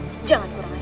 tidak ada apa apa